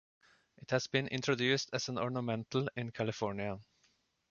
It has been introduced as an ornamental in California.